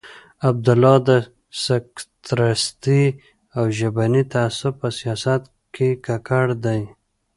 عبدالله د سکتریستي او ژبني تعصب په سیاست کې ککړ دی.